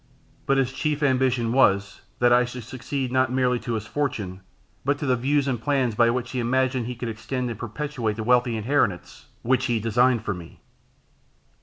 But his chief ambition was, that I should succeed not merely to his fortune, but to the views and plans by which he imagined he could extend and perpetuate the wealthy inheritance which he designed for me.